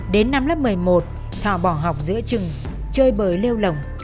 đến năm lớp một mươi một thọ bỏ học giữa trường chơi bời lêu lồng